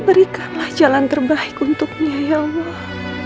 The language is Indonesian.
berikanlah jalan terbaik untuknya ya allah